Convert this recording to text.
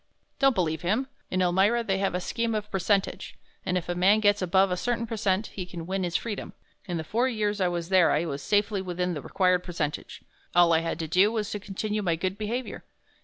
"Don't believe him. In Elmira they have a scheme of percentage, and if a man gets above a certain percent he can win his freedom. In the four years I was there I was safely within the required percentage all I had to do was to continue my good behavior.